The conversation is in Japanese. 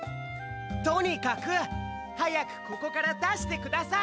とにかくはやくここからだしてください！